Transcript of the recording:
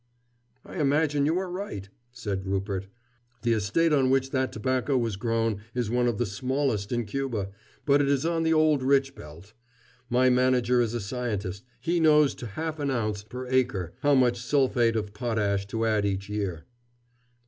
"I imagine you are right," said Rupert. "The estate on which that tobacco was grown is one of the smallest in Cuba, but it is on the old rich belt. My manager is a scientist. He knows to half an ounce per acre how much sulphate of potash to add each year."